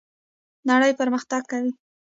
نړۍ پرمختګ کوي